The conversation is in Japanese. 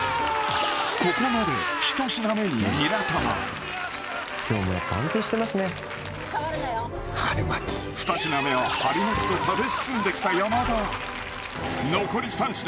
ここまで１品目にニラ玉春巻き２品目は春巻きと食べ進んできた山田残り３品